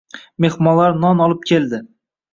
Mehmonlar non olib keldi